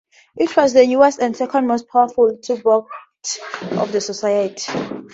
It was the newest and second most powerful tugboat of the Society.